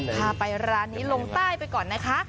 พาไปร้านนี้ลงใต้ไปก่อนนะคะ